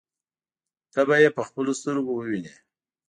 ته به يې په خپلو سترګو ووینې.